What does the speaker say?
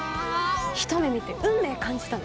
ひと目見て、運命感じたの。